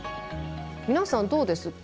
皆さんどうです？